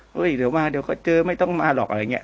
เฮ้ยเดี๋ยวมาเดี๋ยวก็เจอไม่ต้องมาหรอกอะไรอย่างนี้